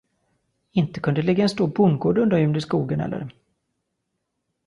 Inte kunde det ligga en stor bondgård undangömd i skogen heller?